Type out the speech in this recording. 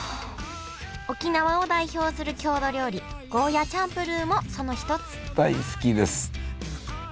沖縄を代表する郷土料理ゴーヤーチャンプルーもその一つ大好きです。